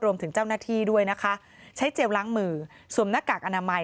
รวมถึงเจ้าหน้าที่ด้วยนะคะใช้เจลล้างมือสวมหน้ากากอนามัย